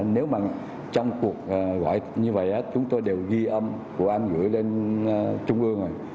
nếu mà trong cuộc gọi như vậy chúng tôi đều ghi âm của anh gửi lên trung ương rồi